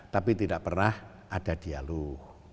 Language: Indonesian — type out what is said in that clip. tapi tidak pernah ada dialog